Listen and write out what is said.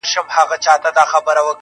ته دي ټپه په اله زار پيل کړه_